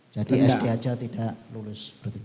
jadi sd aja tidak lulus